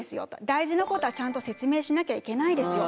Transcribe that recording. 大事なことはちゃんと説明しなきゃいけないですよ。